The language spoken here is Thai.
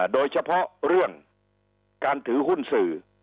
โดยเฉพาะเรื่องการถือหุ้นสื่อ